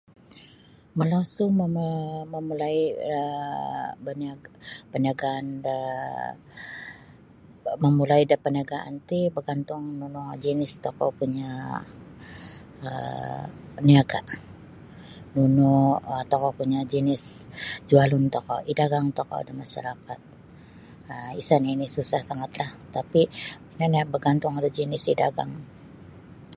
Malosu mama-mamulai da beniaga peniagaan da mamulai paniagaan ti bagantung nunu no jinis tokou punya um niaga nunu um tokou punya jinis jualun tokou idagang tokou da masyarakat um isa nini susah sangatlah tapi ino nio bagantung da jinis idagang.